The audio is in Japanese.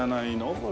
これ。